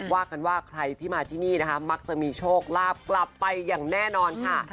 ว่ากันว่าใครที่มาที่นี่นะคะมักจะมีโชคลาภกลับไปอย่างแน่นอนค่ะ